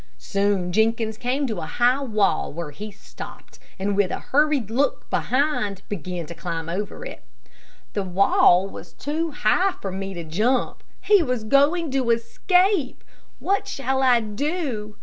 Soon Jenkins came to a high wall, where he stopped, and with a hurried look behind, began to climb over it. The wall was too high for me to jump. He was going to escape. What shall I do?